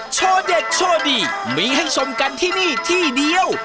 โชว์เด็กโชว์ดีมีให้ชมกันที่นี่ที่เดียว